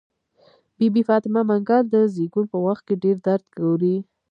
بي بي فاطمه منګل د زيږون په وخت کې ډير درد ګوري.